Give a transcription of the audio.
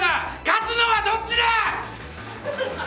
勝つのはどっちだ！